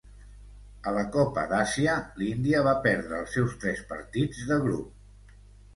A la Copa Àsia, l'Índia va perdre els seus tres partits de grup.